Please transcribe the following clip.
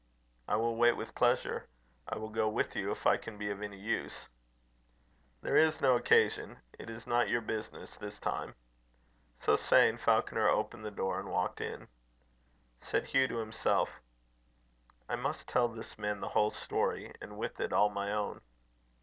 "I will wait with pleasure. I will go with you if I can be of any use." "There is no occasion. It is not your business this time." So saying, Falconer opened the door, and walked in. Said Hugh to himself: "I must tell this man the whole story; and with it all my own."